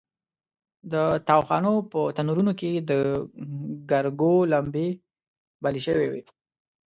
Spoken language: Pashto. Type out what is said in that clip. د تاوخانو په تنورونو کې د ګرګو لمبې بلې شوې وې.